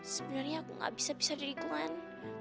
sebenernya aku nggak bisa bisa jadi glenn